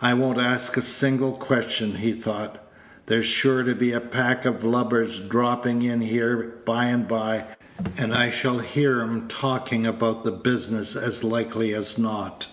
"I won't ask a single question," he thought; "there's sure to be a pack of lubbers dropping in here by and by, and I shall hear 'em talking about the business as likely as not.